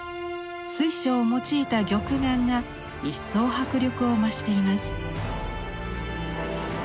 水晶を用いた玉眼が一層迫力を増しています。